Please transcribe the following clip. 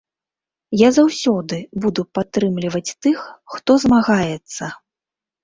Я заўсёды буду падтрымліваць тых, хто змагаецца.